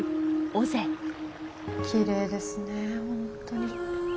きれいですねほんとに。